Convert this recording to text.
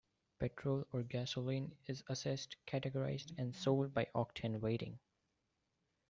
Petrol or gasoline is assessed, categorised and sold by an octane rating.